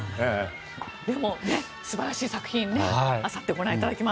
でも素晴らしい作品あさってご覧いただきます。